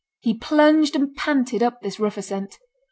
He plunged and panted up this rough ascent.